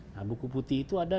nah buku putih itu ada